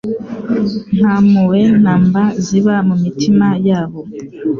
nta mpuhwe na mba ziba mu mitima yabo.